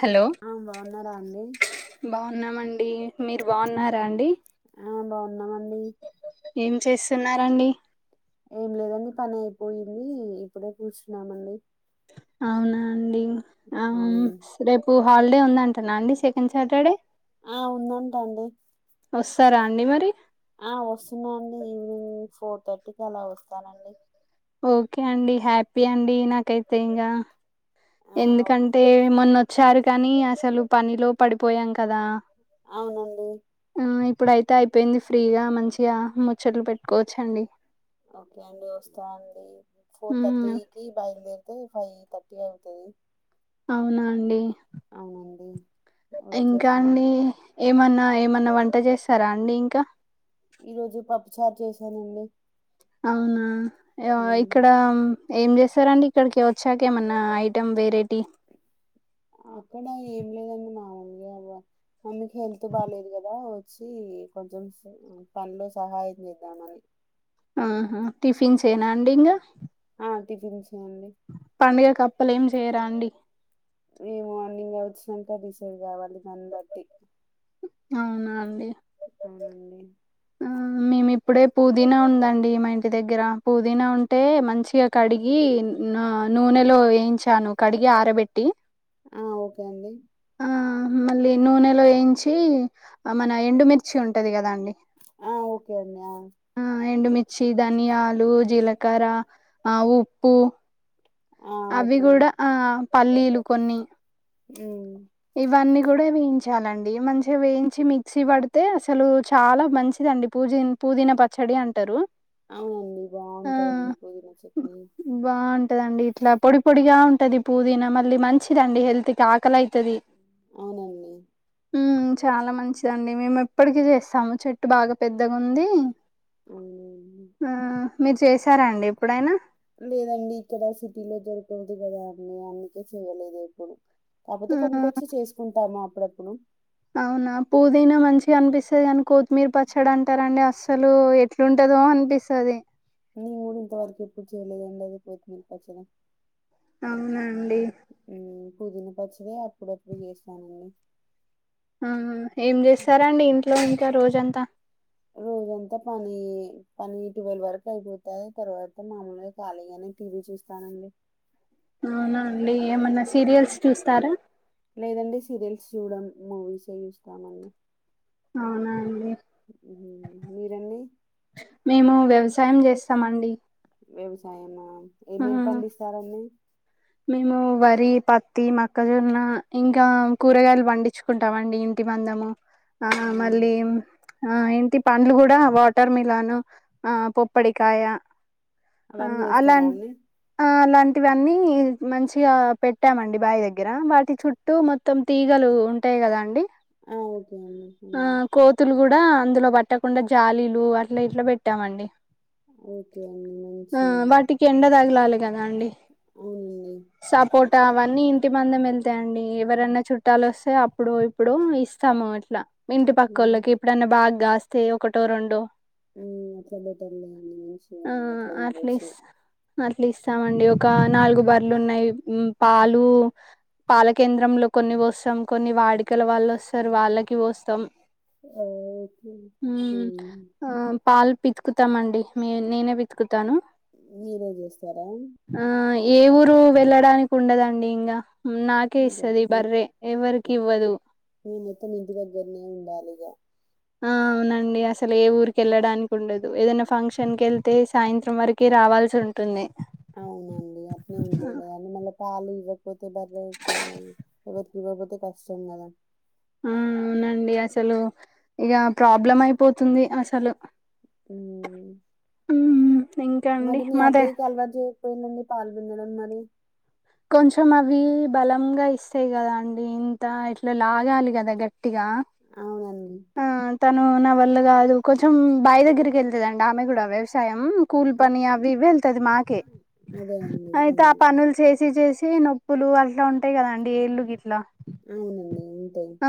Hello అ బావున్నారాండీ? ఉన్నామండి మీరు బావున్నారా అండి? ఆ బావున్నామండి. ఎమ్ చేస్తున్నారండి? ఎమ్ లేదండి పని అయిపోయింది. ఇప్పుడే కూర్చున్నామండి. అవునా అండి అవునండి అవున్స్ రేపు హాలిడే ఉందంటనా అండి సెకండ్ సాటర్డే? ఆ ఉందంటండీ వస్తరా అండి మరి ఆ వస్తున్నా అండి ఈవినింగ్ ఫోర్ థర్టీకి అలా వస్తానండి ఓకే అండి హ్యాపీ అండి నాకైతే ఇంగ ఆ ఎందుకంటే మొన్నొచ్చారు కానీ అసలు పనిలో పడిపోయాం కదా అవునండి ఆ ఇప్పుడుయితే అయిపోయింది ఫ్రీగా, మంచిగా ముచ్చట్లు పెట్టుకోవచ్చఅండి. ఓకే అండి ఓస్త ఫోర్ ఉమ్, థర్టీకిి బయలుదేరితే ఫైవ్ థర్టీ అయిపొయి అవునా అండి అవునండి ఇంకా వచ్చేస్తాను అండి ఏమన్నా ఏమన్నా వంట చేస్తారా అండి ఇంకా ఈ రోజు పప్పుచార్ చేసానండి అవునా యా ఇక్కడ ఏం చేస్తారండి ఇక్కడికి వచ్చాక ఏమన్నా ఐటెం వెరేటి అక్కడ ఏం లేదండి మామూలుగా అల మమ్మీకి హెల్త్ బాలేదు కదా వచ్చి కొంచెం సో పనిలో సహాయం చేద్దామని ఆ హా టిఫిన్స్ ఏనా అండి ఇంగా ఆ టిఫిన్స్ పండుగ్ ఆప్పలేఏం చేయరా అండి మేము అన్నింగ్ అ వచ్చినాక డిసైడ్ కావాలి దాన్ని బట్టి అవున అండి అవునండి ఆ ఇప్పుడే పుదీనా ఉందండి మా ఇంటి దగ్గర పుదీనా ఉంటే మంచిగా కడిగి నా ఆ నూనెలో వయించాను కడిగి ఆరబెట్టి ఆ ఓకే అండి ఆ మళ్ళీ నూనెలో ఎయించి మన ఎండుమిర్చి ఉంటది కదా అండి ఆ ఓకే అండి ఆ ఎండుమిర్చి ధనియాలు జీలకర్ర ఆ ఉప్పు ఆ, అవి ఓకే కూడా అండి ఆ పల్లీలు కొన్ని ఉమ్, ఇవన్నీ కూడా వేయించాలండి మంచిగా వేయించి మీక్ మిక్సిసీ పడితే అసలు చాలా మంచిదండి పూజిన్ పుదీన పచ్చడి అంటారు అవునండి ఆ బావుంటదండి పుదీనా చట్నీ తెఅండి ఇట్లా పొడి పొడిగా ఉంటది పుదీనా మళ్ళీ మంచిదండి హెల్త్ కి ఆకల అయి తది అవునండి మ్ చాలా మంచిదండి మేము ఇప్పడికి చేస్తాము చెట్టు బాగా పెద్దగా ఉంది ఆవునా అండి ఆ మీరు చేసారాండి ఎప్పుడైనా లేదండి ఇక్కడ సిటీలో దొరుకదు కదా అన్ని అందుకే చెయలేదు ఎప్పుడు కాపోతే హ్మ్. కొన్కొచ్చి చేసుకుంటాము అప్పుడప్పుడు అవునా పుదీనా మంచిగా అనిపిస్తది కాని కొత్తిమీర్ పచ్చడ అంటారండి అస్సలు ఎట్లుంటది ఏదో అనిపిస్తాది నేన్ కూడా ఇంతవరకు ఎప్పుడు చేయలేదండి అదే కొత్మిర్ పచ్చడ అవునండి పుదినపచ్చడే అప్పుడప్పుడు చేస్తాము ఆ ఏం చేస్తారండి ఇంట్లో ఇంకా రోజంతా ఎంతా పనీ పని ట్వెల్వ్ వరకు అయిపోతాయి తర్వాత మామూలుగా ఖాళీగానే టీవీ చూ స్థాండి అవునా అండి ఏమన్నా సీరియల్స్ చూస్తారా చూడను మూవీసే చుస్తామ్ అండి అవునా అండి మ్ మిరాండి మేము వ్యవసాయం చేస్తామండి వ్యవసాయమ ఆ ఏమేమి పండిస్తారండి మేము వరి పత్తి మక్కజొన్న ఇంకా కూరగాయలు పండించుకుంటాం అండి ఇంటి మందము ఆ అవునా మళ్ళీ ఆ ఇంటి పండ్లు కూడా వాటర్ మిలాన్ ఆ పొప్పడికాయ ఆ అవన్నీ అలా చేస్తారా అండి అలాంటివన్నీ మంచిగా పెట్టామండి బాయి దగ్గర వాటి చుట్టూ మొత్తం తీగలు ఉంటాయి కదా అండి ఆ ఓకే అండి ఆ హ్మ్ కోతులు కూడా అందులో పట్టకుండా జాలీలు అట్లా ఇట్లా పెట్టామండి ఓకే అండి ఆ మంచిది వాటికి ఎండ తగలాలి కదా అండి సపోట్ అవన్నీ ఇంటి మందం వెళ్తాయండి ఎవరన్నా చుట్టాలు వస్తే అప్పుడో ఇప్పుడో ఇస్తాము ఇట్లా ఇంటి మ్మ్. పక్కల్లోకి ఇప్పుడైనా బాగ్గాస్తే ఒకటో రెండో అట్లా బెటర్ లే అండి మంచిగ ఆ అట్ల అట్లా ఇవ్వొచ్చు ఇస్ అట్లా ఇస్తామండి ఒక నాలుగు బర్లు ఉన్నాయి పాలు పాలకేంద్రంలో కొన్ని పోస్తాం కొన్ని వాడికల వాళ్ళు వస్తారు వాళ్ళకి పోస్తాం అఓకే హూ ఆ పాలు పితుకుతామండి మీ నేనే పితుకుతా మీరే చేస్తారా ఆ ఏ ఊరు వెళ్ళడానికి ఉండదండి ఇంగా నాకే అదే ఇస్తది బర్రె ఇగ ఎవరికి ఇవ్వదు మొత్తం ఇంటి దగ్గరనే ఉండాలి ఇగ ఆ అవునండి అసలు ఏ ఊరికి వెళ్ళడానికి ఉండదు ఏదైనా ఫంక్షన్ వెళ్తే సాయంత్రం వరక రా వాల్సి ఉంటుంది అవునండి. అట్నే ఉంటది కదండీ! మళ్ళా పాలు ఇవ్వకపోతే బర్రె ఎవరికి ఇవ్వపోతే కష్టం కదా హు అవునండి అసలు ఇక ప్రాబ్లం అయిపోతుంది అసలు మ్మ్ ఇంకా అండి మరి మీ మాదే అతైకి అల్వాట్ జేయ్ పోయిందండి పాల్ పిండడం మరి కొంచెం అవి బలంగా ఇస్తాయి కదా అండి ఇంత ఇట్లా లాగాలి కదా గట్టిగా అవునండి. ను నా వల్ల కాదు కొంచెం బాయ్ దగ్గరికి వెళ్తదండి ఆమె కూడా వ్యవసాయం కూల్ అ పని అవి ఇవ్వి వెళ్తుంది మాకే అదే అండి. అయితే ఆ పనులు చేసి చేసి చ్చ నొప్పులు అట్లా ఉంటాయి కదండి ఏళ్ళు గిట్లా ద ఆ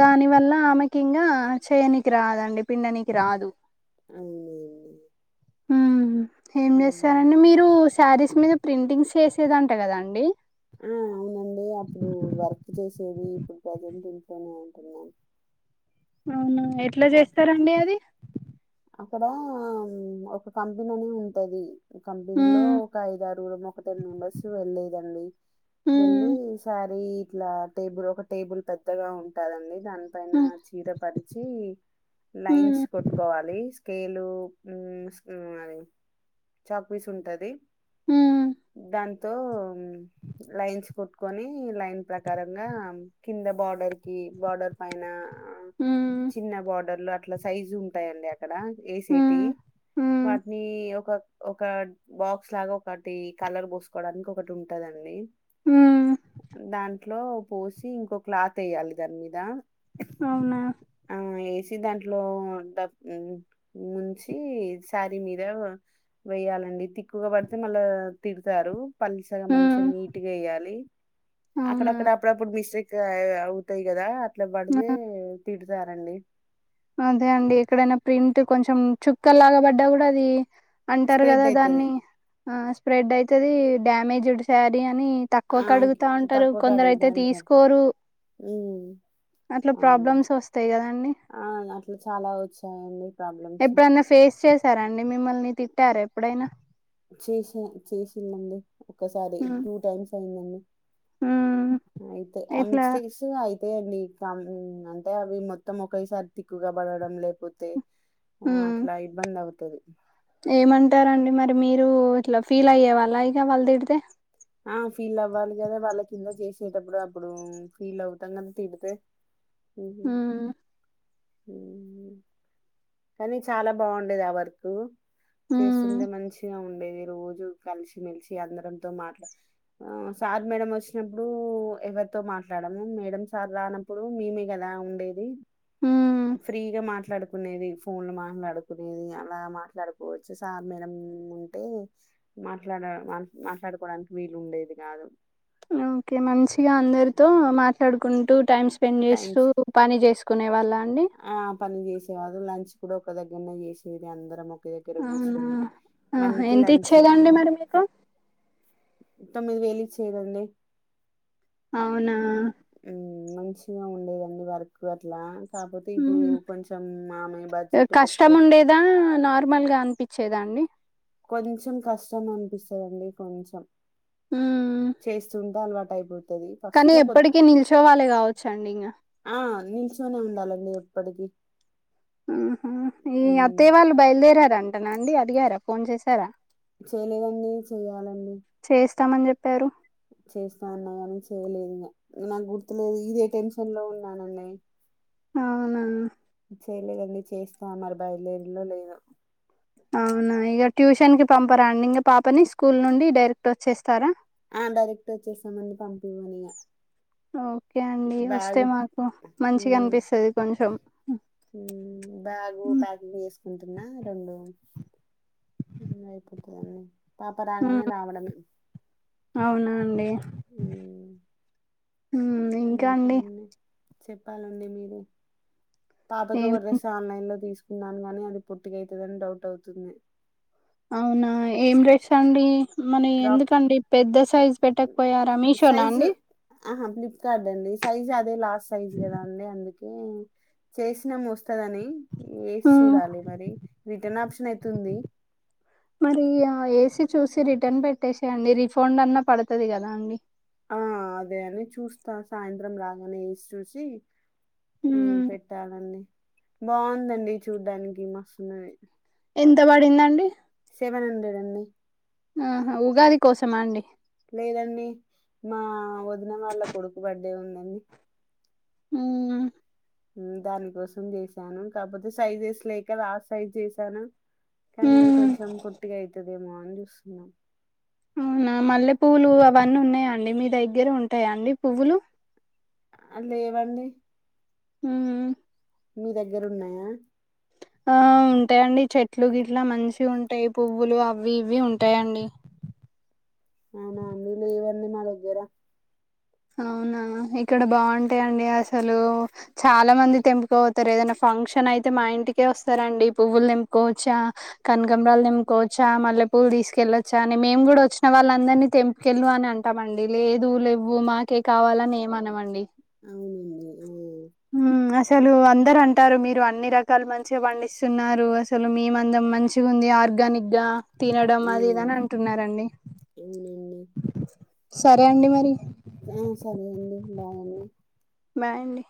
దాని వల్ల ఆమెకింగా చేయనికి రాదండి పిండనికి రాదు అవునండి ఏం హ్మ్. చేస్తారండి మీరు శారీస్ మీద ప్రింటింగ్స్ చేసేదంట కదా అండి నేన్ అప్పుడు వర్క్ చేసేది ఇప్పుడు ప్రజెంట్ ఇంట్లోనే ఉంటున్నాను అవునా ఎట్లా అప్ చేస్తరండి అది అక్కడ ఒక కంపెననీ ఉంటది కంపెనీ లో మ్మ్ ఒక ఐదు ఆరుగురూం ఒక టెన్ మెంబర్స్ వెళ్లేదండి వెళ్ళి మ్మ్ సారీ ఇట్లా టేబుల్ ఒక టేబుల్ పెద్దగా ఉంటదండి దానిపైన చీర పరిచి లైన్స్ మ్మ్ కొట్టుకోవాలి స్కేలు అది చాక్పీీస్ ఉంటది మ్మ్ దాంతో లైన్స్ కొట్టుకొని లైన్ ప్రకారంగా కింద బార్డర్ కి బార్డర్ పైన ఆ మ్మ్ చిన్న బార్డర్లు అట్లా సైజు ఉంటాయండి అ ఇక్కడ ఏసేటి మ్మ్ మ్మ్ వాటిని ఒక ఒక బాక్స్ లాగా ఒకటి కలర్ పోసుకోడానికి ఒకటి ఉంటదండి మ్మ్ మ్మ్ దాంట్లో పోసి ఇంకో క్లాత్ వేయ్యాలి దాని మీద అవునా సి దాంట్లో డబ్ ముంచి శారీ మీద వేయాలండి తికుగా పడితే మళ్ళా తిడ్తారు పలుచగ మంచి మ్మ్ నిత్గేయ్యలి అకడకడ అవునా అప్పుడడు మి అవుతాయి కదా అట్లా పడితే తిడతారండి అదే అండి ఎక్కడైనా ప్రింట్ కొచం చుక్క లాగా పడ్డా కూడా అది అంటారు కదా స్ప్రెడ్ అయితది. దాన్ని ఆ స్ప్రెడ్ అవుతది డ్యామేజ్డ్ సారీ అని ఆ! తక్కువక అడుగుతా ఉంటారు తక్కువ కొందరు కడుగుతా అయితే ఉంటారు. తీసుకోరు హ్మ్. అట్లా అవును. ప్రోల్మ్స్ వస్తాయి కదా అండి ఆ అట్లా చాలా వచ్చాయి ఎప్పుడన్నా ఫేస్ చేసారండి మిమ్మల్ని తిట్టారా ఎప్పుడైనా చూసా చూసామంది ఒకసారి టూ టైమ్స్ అయిందండి మ్మ్ ఆయితే ఆ ఇట్లా మిస్సేట్ల ఆయి అంతే అండి కామన్ అంటే మొత్తం ఒకేసారి తికుగా పడడం లేకపోతే ఆ అట్లా ఇబ్బంది అవుతాది ఎం అంటారుఅండి మీరు ఇట్లా ఫీల్ అయ్యేవాళ్ళ ఇక వాళ్ళ తిడితే ఆ ఫీల్ ఆవలి కదా వాళ్ళ కింద చేసేటప్పుడు అప్పుడు ఫీల్ అవుతాం కదా తిడితే ఉమ్, హ్మ్మ్ కని చాలా బాగుండేది ఆ వర్క్ మ్మ్ చేస్తుంటే మంచిగా ఉండేది రోజు కలిసి మెలిచి అందరంతో మాట్లా ఆ సార్ మేడం వచ్చినపుడు ఎవరితో మాట్లాడము మేడం సార్ రానప్పుడు మేమే కదా ఉండేది మ్ ఫ్రీగా మాట్లాడుకునేది ఫోన్ లో మాట్లాడుకునేది అలా మాట్లాడుకోవచ్చు సార్ మేడం ఉంటే మాట్లాడ మాట్లాడుకోడానికి వీలు ఉండేది కాదు మ్ ఓకే మంచిగా అందరితో మాట్లాడుకుంటూ టైమ్ స్పెండ్ చేస్తూ టైమ్స్ పని చేసు కునే వాళ్ళ అండి ఆ పని చేసాయివారు లంచ్ కూడా ఒక దగ్గరనే చేసేది అందరం ఒకే దగ్గర కూర్చొని అవునా హ వన్ హ కి ఎంత లంచ్ ఇచ్చేది అండి మరీ మీకు తమిది వేలి ఇచ్చేది అండి అవునా మంచిగా ఉండేది అండి వర్క్ అట్లా కాకపోతే ఇప్పుడు మ్మ్. కొంచెం మాములుగా బడ్జెట్ పెట్టుకోచ్చ వచ్చేదాండి కొచం కష్టం అనిపిస్తుందిండి కొంచెం మ్మ్. చేస్తుంటే అలవా కానీ ఎప్పటికిీ నిలిచోవళ్ళే కావొచ్చు ఆ నిల్చొనే ఉండాలండి ఎప్పటికిీ మ్ మ్ మీ హ్మ్. అత్తే వాళ్ళు బయలుదేరార అంటనండి అడిగారా ఫోన్ చేసారా చేయలేదు చెయ్యాలండి వాతమాన్ చెప్పారు చేస్తా అన గాని చేయలేదు ఇంగ నాకు గుర్తులేదు ఇదే టెన్షన్ లో ఉన్నానన్న అవున చేయలేదుండి చేస్తా మరి బయదేరులో లేదో అవునా ఇక ట్యూషన్ కి పంపారా అండి ఇంకా పాపని స్కూల్ నుండి డైరెక్ట్ వచ్చేస్తారా ఆ డైరెక్ట్ వచ్చేస్తాం పంపివ్వనిగా ఓకే అండి వస్తే మాకు మంచిగా హ్మ్. అనిపిస్తుంది కొంచం బ్యాగు ప్యాక్ చేసుకుంటున్నా రెండు ఐపోతాది అండి పాప రాగానే రావడమే అవునా అండి హ్మ్. ఇంకా అండి ఇంకండి చెప్పాలండి మిరు పాపకు ఏం ఓ డ్రెస్ ఆన్లైన్ లో తీసుకున్నాను గాని అది పుట్కవుతుందిని డౌట్ అవుతుంది అవునా ఏం డ్రెస్ అండి అమ్మని క్రాప్ ఎందుకండి పెద్ద సైజు పెట్టకపోయారా మీషో నా సైజు అండి ఆహా హ ఫ్లిపకార్ట్ అండి సైజ్ అదే లార్జ్ సైజ్ కదా అండి అందుకే చేసినా మస్తు కదా ఆని వేసి హ్మ్. చూడాలి మరి రిటర్న్ ఆప్షన్ ఐతే ఉంది. మరీ యా చూసి రిటర్న్ పెట్టేసేయండి. రిఫండ్ అన్నా పడతది కదా అండి. ఆ అదే అని చూస్తా సాయంత్రం రాగానే వేసి చూసి ఈ హ్మ్. పెట్టాలండి బావుందండి చూడ్డానికి మస్తున్నది. ఎంత పడిందండి? సెవెన్ హండ్రెడ్ అండి. ఆహ ఉగాది కోసమాండి. లేదండీ మా వదిన వాళ్ళ కొడుకు బర్డే ఉందండి. అవునా దాని కోసం చేసాను కాపోతే సైజెస్ లేకదా ఆ సైజ్ చేసాను. కానీ అది హ్మ్. కొంచెం పొట్టిగయితదేమో అని చూస్తున్నాం. అవునా మల్లె పువ్వులు అవన్నీ ఉన్నాయ అండి. మీ దగ్గర ఉంటాయా అండి పువ్వులు? లేవండి ఉమ్ మీ దగ్గర ఉన్నయా? బ్లాంక్ ఆ ఉంటాయండి. చెట్లు గిట్లా మంచి ఉంటాయి పువ్వులు అవి ఇవి ఉంటాయండి. బ్లాంక్ అవున అండి లేవండి మాదగ్గరా అవునా ఇక్కడ బావుంటయండి అసలు చాలా మంది తెంపుకవో తరు ఏదైనా ఫంక్షన్ అయితే మా ఇంటికే వస్తారండి. పువ్వులు తెంపుకోవచ్చా, కనకంమ్రాలు తెంకోవచ్చ చ మల్లె పూలు తీసుకెళ్ళొచ్చా అని మేము కూడా వచ్చిన వాళ్ళందరినీ తెంపుకెళ్లు అని అంటామండి. లేదు లే వు మాకే కావాలని ఏమనమండి. అవునండి ఆ, ఉమ్ అస్ తెలు అందరు అంటారు మీరు అన్ని రకాలు మంచిగ పండిస్తున్నారు అసలు మీ మందం మంచిగుంది. ఆ ర్గానిగ్ గా తినడం ఆ, అది ఇదని అంటున్నారండి. అవునండి సరే అండి మరి. మ్ సరేలేండి బాయండి. బాయండి